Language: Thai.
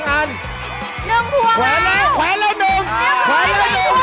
อันนี้๒